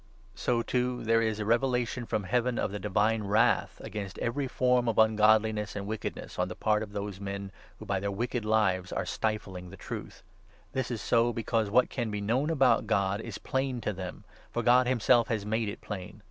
So, too, there is a revelation from Heaven of ortheGerTtiie the Divine Wrath against every form of un to reach this godliness and wickedness on the part of those '' men who, by their wicked lives, are stifling the Truth. This is so, because what can be known about God is plain to them ; for God himself has made it plain.